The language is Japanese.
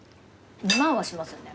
２万はしますよね？